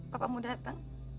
papa mau datang